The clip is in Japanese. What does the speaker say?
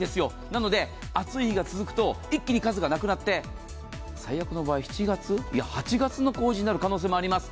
なので、暑い日が続くと一気に数がなくなって、最悪の場合、７月、いや８月の工事になる可能性があります。